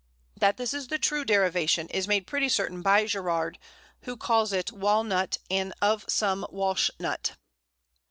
That this is the true derivation is made pretty certain by Gerarde, who calls it "Walnut, and of some Walsh nut."